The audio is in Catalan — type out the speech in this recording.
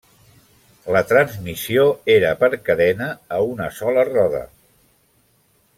La transmissió era per cadena a una sola roda.